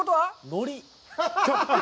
のり。